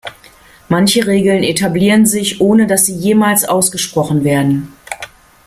Manche Regeln etablieren sich, ohne dass sie jemals ausgesprochen werden.